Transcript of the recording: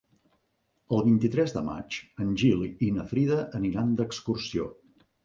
El vint-i-tres de maig en Gil i na Frida aniran d'excursió.